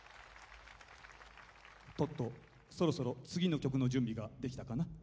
トットそろそろ次の曲の準備ができたかな？